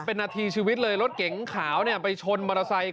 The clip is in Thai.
เป็นนาทีชีวิตเลยรถเก่งขาวไปชนบริเตอร์ไซส์